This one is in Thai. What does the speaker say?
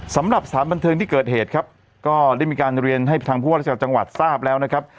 สำหรับสถานบันเทิงที่เกิดเหตุครับก็ได้มีการเรียนให้ทางผู้ว่าราชการจังหวัดทราบแล้วนะครับ